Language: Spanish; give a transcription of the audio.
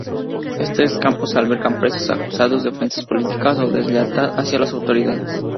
Estos campos albergan presos acusados de "ofensas políticas" o de "deslealtad" hacia las autoridades.